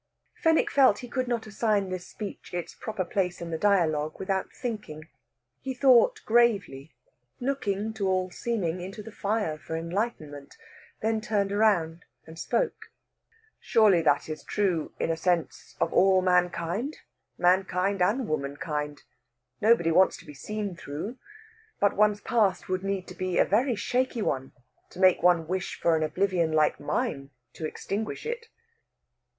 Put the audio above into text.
Fenwick felt he could not assign this speech its proper place in the dialogue without thinking. He thought gravely, looking to all seeming into the fire for enlightenment; then turned round and spoke. "Surely that is true, in a sense, of all mankind mankind and womankind. Nobody wants to be seen through. But one's past would need to be a very shaky one to make one wish for an oblivion like mine to extinguish it."